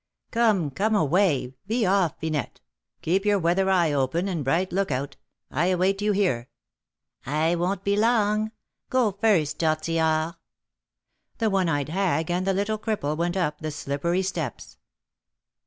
"Come, come away! be off, Finette! Keep your weather eye open, and bright lookout. I await you here." "I won't be long. Go first, Tortillard." The one eyed hag and the little cripple went up the slippery steps.